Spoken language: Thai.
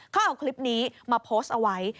เขาเอาคลิปนี้มาโพสต์เอาไว้